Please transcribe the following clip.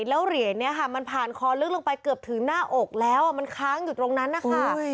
แล้วเหรียญนี้ค่ะมันผ่านคอลึกลงไปเกือบถึงหน้าอกแล้วมันค้างอยู่ตรงนั้นนะคะ